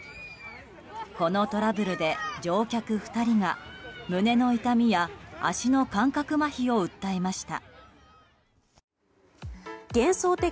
このトラブルで乗客２人が胸の痛みや足の感覚まひを訴えました。